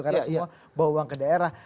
karena semua bawa uang ke daerah